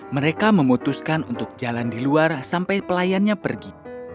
mereka memutuskan untuk jalan di luar sampai pelayannya pergi